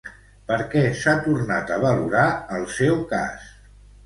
Per què s'ha tornat a valorar el seu cas?